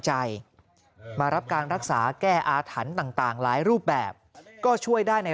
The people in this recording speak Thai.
ใจมารับการรักษาแก้อาถรรพ์ต่างหลายรูปแบบก็ช่วยได้ใน